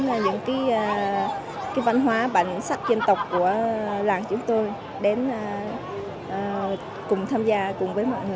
những văn hóa bản sắc dân tộc của làng chúng tôi đến cùng tham gia cùng với mọi người